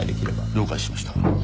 了解しました。